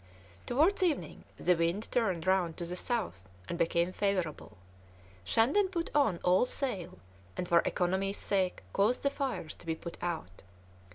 Towards evening the wind turned round to the south, and became favourable; Shandon put on all sail, and for economy's sake caused the fires to be put out.